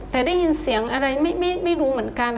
แต่ได้ยินเสียงอะไรไม่รู้เหมือนกัน